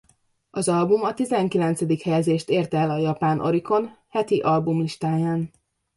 Az album a tizenkilencedik helyezést érte el a japán Oricon heti albumlistáján.